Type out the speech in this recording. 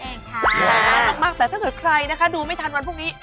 มากแต่ถ้าเกิดใครนะคะดูไม่ทันวันพรุ่งนี้